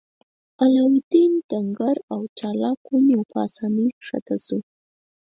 علاوالدین ډنګر او چلاک و نو په اسانۍ ښکته لاړ.